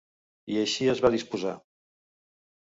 I així es va disposar.